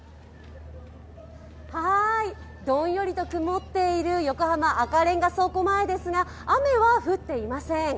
どんよりと曇っている横浜赤レンガ倉庫前ですが、雨は降っていません。